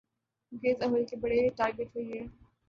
کیونکہ اس عمل کے بڑے ٹارگٹ وہی ہیں۔